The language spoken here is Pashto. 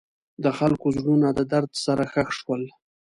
د خلکو زړونه د درد سره ښخ شول.